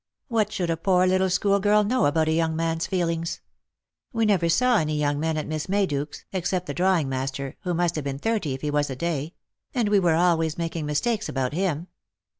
What should a poor little schoolgirl know about a young man's feelings ? We never saw any young men at Miss Mayduke's, except the drawing master, who must have been thirty if he was a day ; and we were always making mistakes about him.